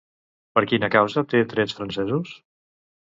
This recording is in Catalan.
Per quina causa té trets francesos?